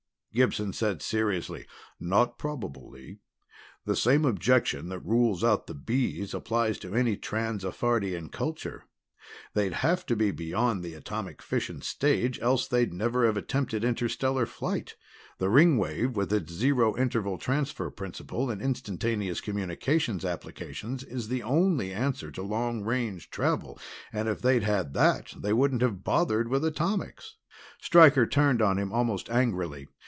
Gibson said seriously, "Not probable, Lee. The same objection that rules out the Bees applies to any trans Alphardian culture they'd have to be beyond the atomic fission stage, else they'd never have attempted interstellar flight. The Ringwave with its Zero Interval Transfer principle and instantaneous communications applications is the only answer to long range travel, and if they'd had that they wouldn't have bothered with atomics." Stryker turned on him almost angrily.